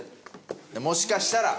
もしかしたら。